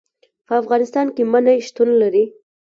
په افغانستان کې منی شتون لري.